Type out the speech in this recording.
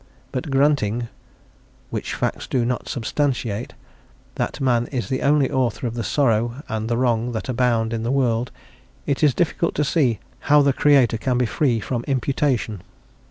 But granting (which facts do not substantiate) that man is the only author of the sorrow and the wrong that abound in the world, it is difficult to see how the Creator can be free from imputation.